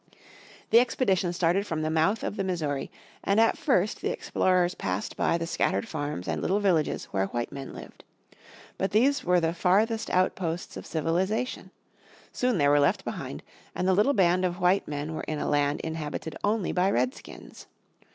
The expedition started from the mouth of the Missouri, and at first the explorers passed by the scattered farms and little villages where white men lived. But these were the farthest outposts of civilisation; soon they were left behind, and the little band of white men were in a land inhabited only by Redskins.